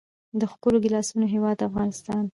د ښکلو ګیلاسونو هیواد افغانستان.